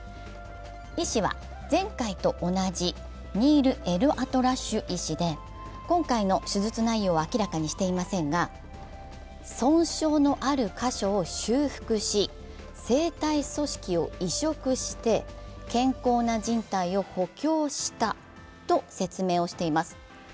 医師は前回と同じニール・エルアトラッシュ医師で今回の手術内容は明らかにしていませんが、損傷のある箇所を修復し、生体組織を移植して健康なじん帯を補強したと説明しています。